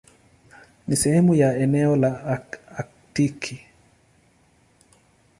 Ni sehemu ya eneo la Aktiki.